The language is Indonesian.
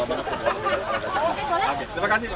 terima kasih pak